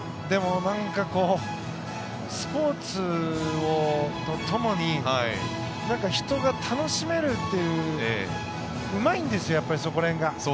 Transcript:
でも、スポーツとともに人が楽しめるっていううまいんですよそこら辺が。